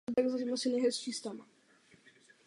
Starosta nechtěně souhlasí.